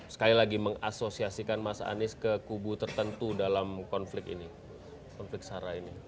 sekali lagi mengasosiasikan mas anies ke kubu tertentu dalam konflik ini konflik sarah ini